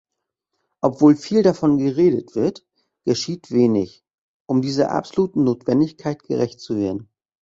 Obwohl viel davon geredet wird, geschieht wenig, um dieser absoluten Notwendigkeit gerecht zu werden.